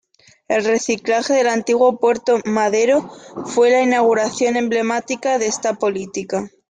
El reciclaje del antiguo Puerto Madero fue la inauguración emblemática de esta política.